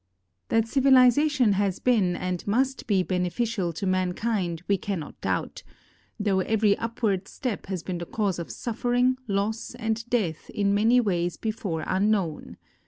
That civilization has been and must be beneficial to mankind we cannot doubt, though every upward step has been the cause of suffering, loss, and death in many ways before unknown.